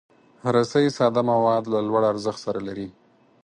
رسۍ ساده مواد له لوړ ارزښت سره لري.